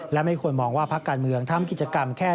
และไม่ควรมองว่าพักการเมืองทำกิจกรรมแค่เลือกตั้งเท่านั้น